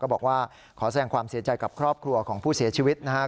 บอกว่าขอแสดงความเสียใจกับครอบครัวของผู้เสียชีวิตนะครับ